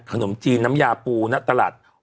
ขนมจีนน้ำยาปูณตลาด